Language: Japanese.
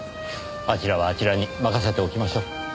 あちらはあちらに任せておきましょう。